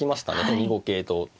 ２五桂と。